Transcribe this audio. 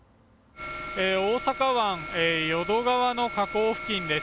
大阪湾、淀川の河口付近です。